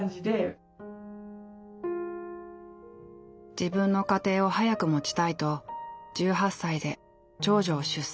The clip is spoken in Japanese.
自分の家庭を早く持ちたいと１８歳で長女を出産。